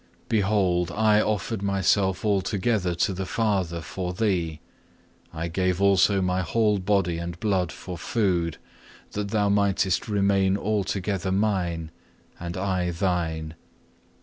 Behold I offered Myself altogether to the Father for thee, I give also My whole body and blood for food, that thou mightest remain altogether Mine and I thine.